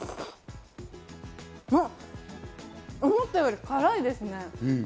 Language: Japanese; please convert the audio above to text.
思ったより辛いですね。